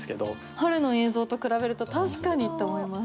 春の映像と比べると確かにと思います。